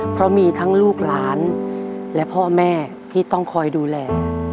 เพราะมีทั้งลูกหลานและพ่อแม่ที่ต้องคอยดูแล